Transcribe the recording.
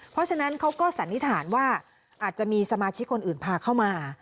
เพราะฉะนั้นเขาก็สันนิษฐานว่าอาจจะมีสมาชิกคนอื่นพาเข้ามา